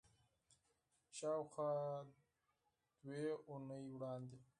شاوخوا دوه اونۍ وړاندې